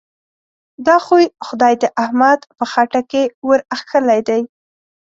دا خوی؛ خدای د احمد په خټه کې ور اخښلی دی.